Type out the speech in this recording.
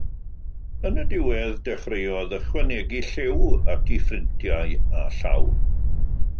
Yn y diwedd, dechreuodd ychwanegu lliw at ei phrintiau â llaw.